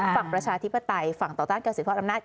ฝั่งประชาธิปไตรฝั่งต่อต้านเกี่ยวสิทธิ์พลังดำนาจ